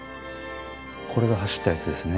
これが走ったやつですね。